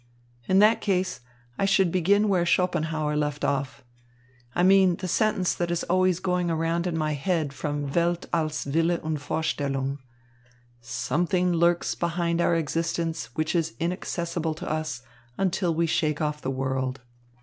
In that case, I should begin where Schopenhauer left off. I mean the sentence that is always going around in my head from Welt als Wille und Vorstellung: 'Something lurks behind our existence which is inaccessible to us until we shake off the world.'"